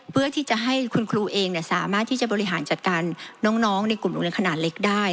เพื่อที่จะให้คุณครูเองสามารถที่จะบริหารจัดการน้องในกลุ่มโรงเรียนขนาดเล็กได้